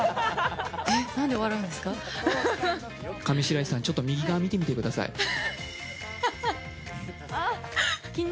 上白石さん、ちょっと右側見てみてください。